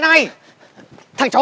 mày không thể